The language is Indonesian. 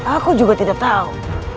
aku juga tidak tahu